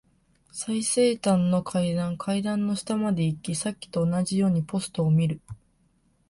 最西端の階段。階段の下まで行き、さっきと同じようにポストを見る。